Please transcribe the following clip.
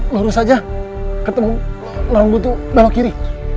lurus aja ketemu lalu butuh balok kiri